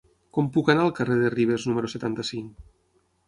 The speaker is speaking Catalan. Com puc anar al carrer de Ribes número setanta-cinc?